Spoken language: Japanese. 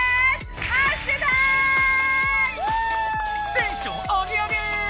テンションアゲアゲ！